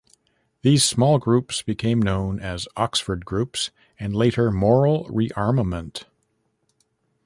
These small groups became known as Oxford Groups and later Moral Re-Armament.